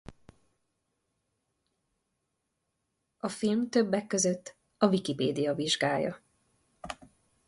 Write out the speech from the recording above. A film többek között a Wikipédia vizsgálja.